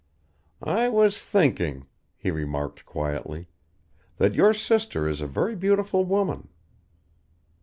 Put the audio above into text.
"I was thinking," he remarked quietly, "that your sister is a very beautiful woman."